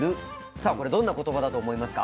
さあこれどんな言葉だと思いますか？